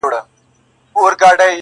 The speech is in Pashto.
څو دوکانه څه رختونه څه مالونه.!